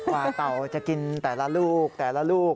เต่าจะกินแต่ละลูกแต่ละลูก